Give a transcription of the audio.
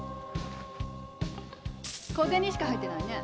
小銭しか入ってないね！